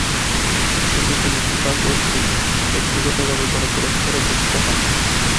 কিন্তু তিনি ফিফা কর্তৃক ব্যক্তিগতভাবে কোন পুরস্কারে ভূষিত হননি।